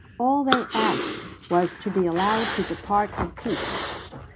All they asked was to be allowed to depart in peace.